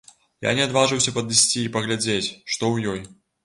Я не адважыўся падысці і паглядзець, што ў ёй.